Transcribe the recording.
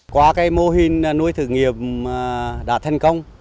qua mô hình nuôi thực nghiệp đã thành công